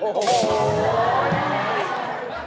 โห้โฮ